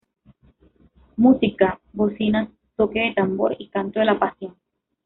Música: "Bocina, toque de tambor y Canto de la Pasión".